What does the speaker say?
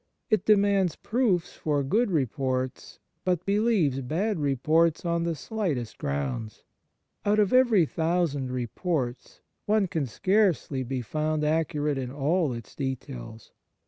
It demands proofs for good reports, but believes bad reports on the slightest grounds. Out of every thousand reports one can scarcely be found accurate in all its details.